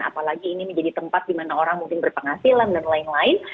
apalagi ini menjadi tempat di mana orang mungkin berpenghasilan dan lain lain